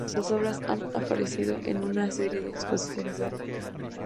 Sus obras han aparecido en una serie de exposiciones de Europa.